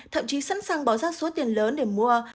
thậm chí sẵn sàng bỏ ra số tiền lớn để mua